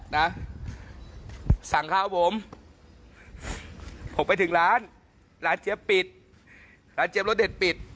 นะสั่งข้าวผมผมไปถึงร้านร้านเจี๊ยบปิดร้านเจี๊ยรสเด็ดปิด